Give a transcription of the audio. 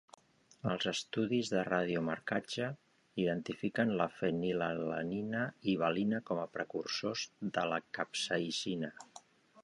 Els estudis de radiomarcatge identifiquen la fenilalanina i valina com a precursors de la capsaïcina.